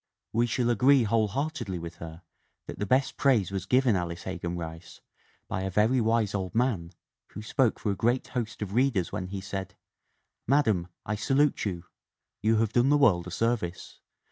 We shall agree whole heartedly with her that the best praise was given Alice Hegan Rice "by a very wise old man, who spoke for a great host of readers when he said :' 'Madam, I salute you ! You have done the world a service.